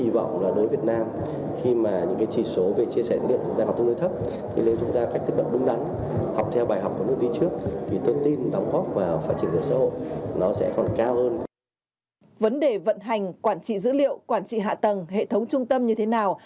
vấn đề vận hành quản trị dữ liệu quản trị hạ tầng hệ thống trung tâm như thế nào